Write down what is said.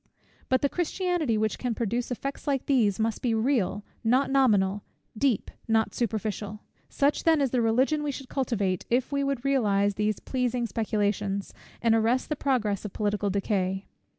But the Christianity which can produce effects like these, must be real, not nominal, deep, not superficial. Such then is the Religion we should cultivate, if we would realize these pleasing speculations, and arrest the progress of political decay.